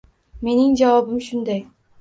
— Mening javobim shunday: